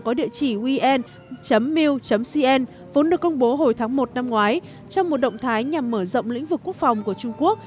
mở địa chỉ wien mil cn vốn được công bố hồi tháng một năm ngoái trong một động thái nhằm mở rộng lĩnh vực quốc phòng của trung quốc